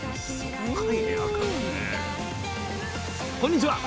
こんにちは。